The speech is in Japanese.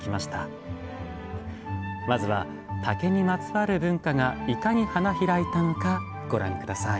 まずは竹にまつわる文化がいかに花開いたのかご覧下さい。